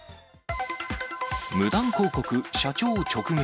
無断広告、社長を直撃。